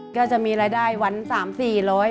ก็จะมีรายได้วันสามสี่ร้อย